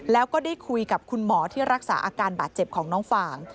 แล้วก็ได้คุยกับคุณหมอที่รักษาอาการบาดเจ็บของน้องฟ่าง